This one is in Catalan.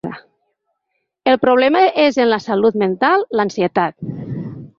El problema és en la salut mental, l’ansietat.